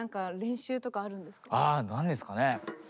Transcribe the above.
あ何ですかね？